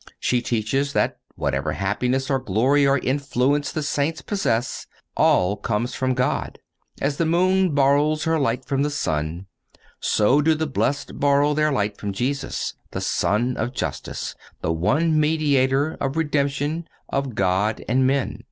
She teaches that whatever happiness or glory or influence the saints possess, all comes from God. As the moon borrows her light from the sun, so do the blessed borrow their light from Jesus, "the Sun of Justice, the one Mediator (of redemption) of God and men."